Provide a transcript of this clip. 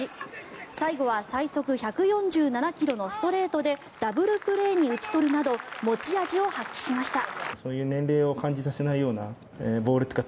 最後は最速１４７ｋｍのストレートでダブルプレーに打ち取るなど持ち味を発揮しました。